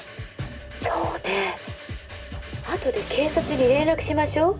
そうねあとで警察に連絡しましょう。